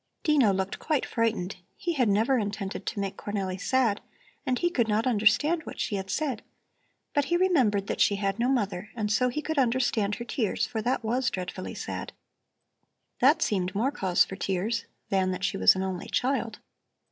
Dino looked quite frightened; he had never intended to make Cornelli sad and he could not understand what she had said. But he remembered that she had no mother and so he could understand her tears, for that was dreadfully sad. That seemed more cause for tears than that she was an only child.